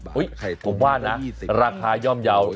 โอ้ยผมว่านะราคาย่อมยาว